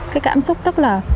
cái cảm xúc rất là